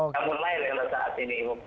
kamu lain yang ada saat ini